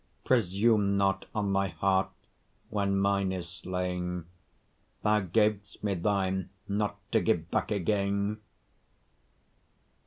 Presume not on thy heart when mine is slain, Thou gav'st me thine not to give back again.